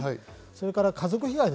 それから家族被害。